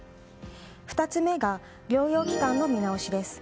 ２つ目が、療養期間の見直しです。